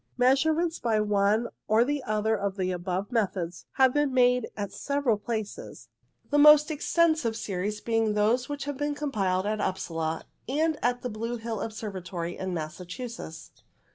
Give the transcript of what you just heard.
Measurements by one or the other of the above methods have been made at several places, the most 20 INTRODUCTORY extensive series being those which have been com piled at Upsala, and at the Blue Hill Observatory in Massachusetts.